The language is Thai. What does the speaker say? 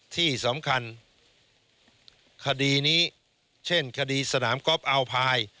ที่สำคัญคดีนี้เช่นคดีสนามก๊อปอาวไผล์